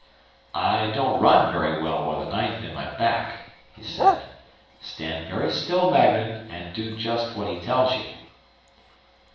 "I don't run very well with a knife in my back," he said. "Stand very still, Magnan, and do just what he tells you."